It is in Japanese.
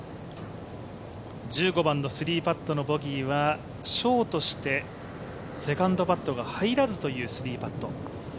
１５番の３パットのボギーはショートしてセカンドパットが入らずという３パット。